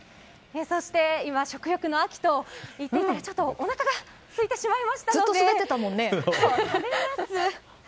そして、今食欲の秋と言っていてちょっとおなかがすいてしまいまして食べます。